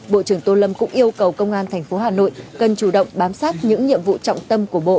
bộ trưởng tô lâm cũng yêu cầu công an tp hà nội cần chủ động bám sát những nhiệm vụ trọng tâm của bộ